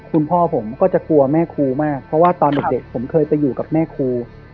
คุณพ่อผมก็จะกลัวแม่ครูมากเพราะว่าตอนเด็กผมเคยไปอยู่กับแม่ครู